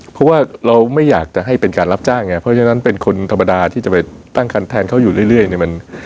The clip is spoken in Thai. เพราะว่าเราไม่อยากจะให้เป็นการรับจ้างไงเพราะฉะนั้นเป็นคนธรรมดาที่จะไปตั้งคันแทนเขาอยู่เรื่อยเนี่ย